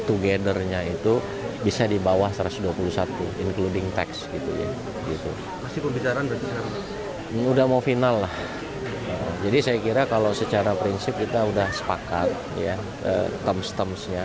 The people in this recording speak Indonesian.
udah mau final lah jadi saya kira kalau secara prinsip kita udah sepakat ya